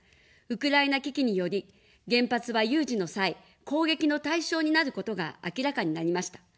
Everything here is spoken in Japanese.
ウクライナ危機により、原発は有事の際、攻撃の対象になることが明らかになりました。